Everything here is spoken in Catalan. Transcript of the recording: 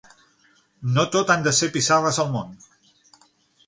No tot han de ser pissarres al món.